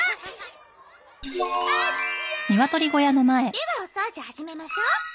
ではお掃除始めましょう。